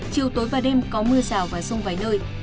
chiều tối và đêm có mưa rào và rông vài nơi